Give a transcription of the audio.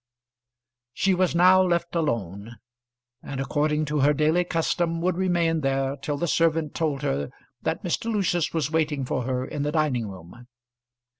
She was now left alone, and according to her daily custom would remain there till the servant told her that Mr. Lucius was waiting for her in the dining room.